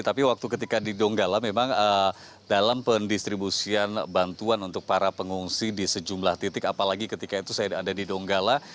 tapi waktu ketika di donggala memang dalam pendistribusian bantuan untuk para pengungsi di sejumlah titik apalagi ketika itu saya ada di donggala